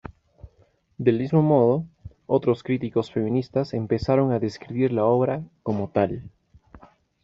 Del mismo modo, otros críticos feministas empezaron a describir a la obra como tal.